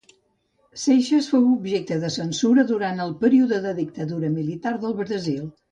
Seixas fou objecte de censura durant el període de dictadura militar del Brasil.